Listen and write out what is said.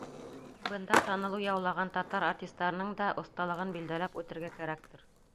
Бында танылыу яулаған татар артистарының да оҫталығын билдәләп үтергә кәрәктер.